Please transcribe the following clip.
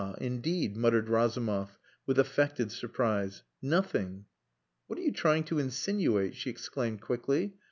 indeed," muttered Razumov, with affected surprise. "Nothing!" "What are you trying to insinuate" she exclaimed quickly.